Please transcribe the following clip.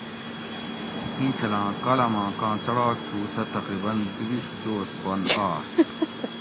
اِینچھلاں کالاماں کاں څڑاک تُھو سہ تقریباً دوُ بِیش دوس بن آش